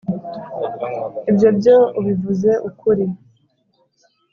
Ibyo byo ubivuze ukuri